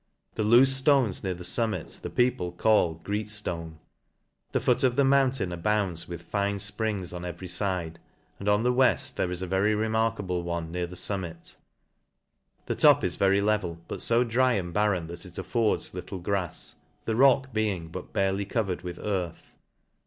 The loofe ftones near the furnmit the people call Greetftone. The foot of the moun tain abounds with fine fprings on every fide, and on the weft there is a very remarkable one near the furn mit. The top is very level, but fo dry and barren that it affords little grafs, the rock being but barely covered with, earth.